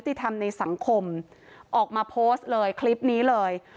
ติธรรมในสังคมออกมาโพสต์เลยคลิปนี้เลย